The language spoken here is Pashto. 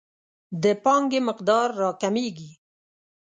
د پانګې مقدار راکمیږي.